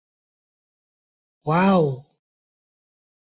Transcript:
Oahu.